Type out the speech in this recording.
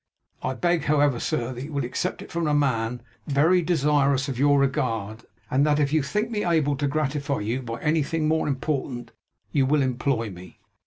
I beg, however, Sir, that you will accept it from a man very desirous of your regard; and that if you think me able to gratify you by any thing more important you will employ me.